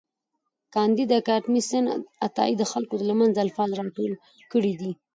کانديد اکاډميسن عطايي د خلکو له منځه الفاظ راټول کړي دي.